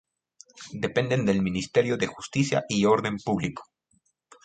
Dependen del Ministerio de Justicia y orden público.